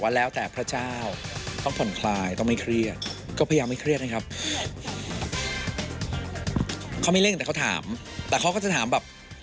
เขาไม่เร่งแต่เขาถามแต่เขาก็จะถามแบบ